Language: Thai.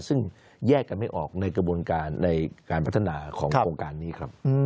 ซึ่งแยกกันไม่ออกในกระบวนการในการพัฒนาของโครงการนี้ครับ